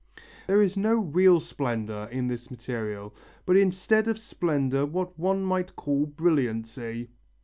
There is no real splendour in this material, but instead of splendour what one might call brilliancy.